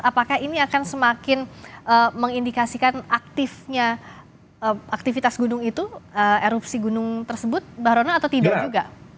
apakah ini akan semakin mengindikasikan aktifnya aktivitas gunung itu erupsi gunung tersebut mbak ronal atau tidak juga